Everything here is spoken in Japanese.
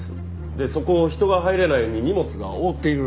でそこを人が入れないように荷物が覆っているらしいんです。